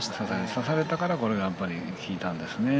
差されたから引いたんですね。